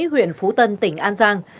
huyện phú tân tỉnh an giang